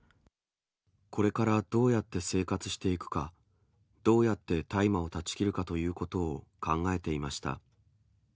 これからどうやって生活していくか、どうやって大麻を断ち切るかということを考えていました。